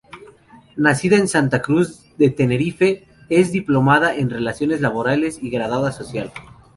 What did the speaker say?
Nacida en Santa Cruz de Tenerife, es diplomada en Relaciones Laborales y Graduada Social.